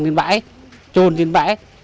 lên bãi trôn lên bãi